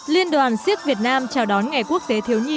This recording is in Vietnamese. liên đoàn siếc việt nam chào đón ngày quốc tế thiếu nhi